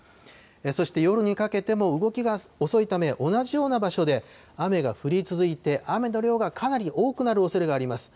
そして夜にかけても動きが遅いため、同じような場所で雨が降り続いて、雨の量がかなり多くなるおそれがあります。